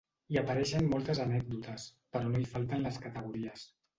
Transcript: Hi apareixen moltes anècdotes, però no hi falten les categories.